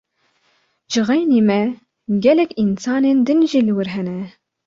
Ji xeynî me gelek însanên din jî li wir hene.